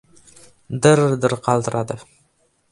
Dir-dir qaltiradi.